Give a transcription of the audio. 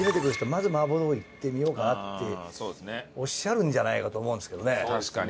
まず麻婆豆腐いってみようかなっておっしゃるんじゃないかと思うんですけどね。